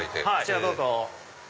どうぞ。